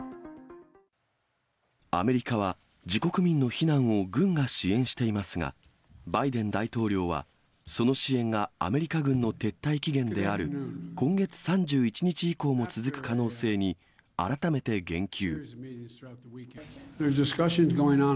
アメリカは自国民の避難を軍が支援していますが、バイデン大統領は、その支援がアメリカ軍の撤退期限である今月３１日以降も続く可能性に、改めて言及。